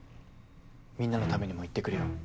みんなのためにも行って来るよ。